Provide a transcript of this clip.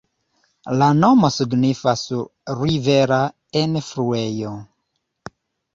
La nomo signifas "Rivera enfluejo".